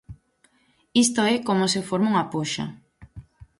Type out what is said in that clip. Isto é como se forma unha poxa.